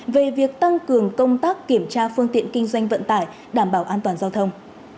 về việc tăng cường công tác kiểm tra phương tiện kinh doanh vận tải đảm bảo an toàn giao thông